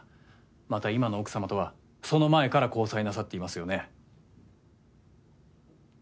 また今の奥様とはその前から交際なさっていますよね？